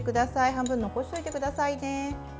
半分残しておいてくださいね。